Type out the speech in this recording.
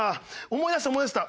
思い出した思い出した。